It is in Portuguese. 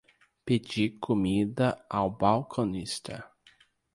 Pedi comida ao balconista.